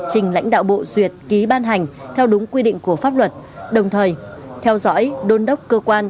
trình lãnh đạo bộ duyệt ký ban hành theo đúng quy định của pháp luật đồng thời theo dõi đôn đốc cơ quan